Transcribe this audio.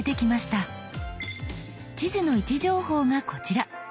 地図の位置情報がこちら。